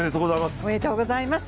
おめでとうございます！